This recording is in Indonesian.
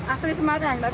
asli semarang pak